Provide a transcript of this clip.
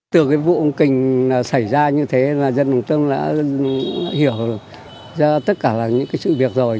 từ cái vụ kình xảy ra như thế là dân hùng tâm đã hiểu ra tất cả là những cái sự việc rồi